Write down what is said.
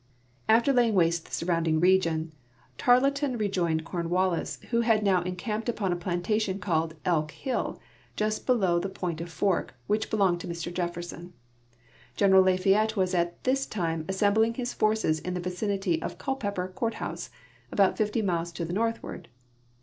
After laying waste the surrounding region, Tarleton rejoined Cornwallis, who had now encamped upon a plantation called " Elk Hill," just below the Point of Fork, which belonged to Mr Jefferson. General Lafayette was at this time assembling his forces in the vicinity of Culi)eper court house, about fifty miles to tbe northward.